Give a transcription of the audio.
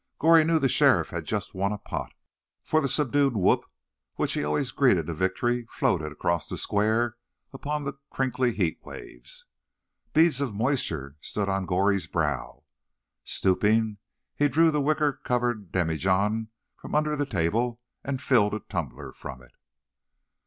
Goree knew that the sheriff had just won a pot, for the subdued whoop with which he always greeted a victory floated across the square upon the crinkly heat waves. Beads of moisture stood on Goree's brow. Stooping, he drew the wicker covered demijohn from under the table, and filled a tumbler from it.